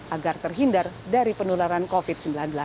agar terhindar dari penularan covid sembilan belas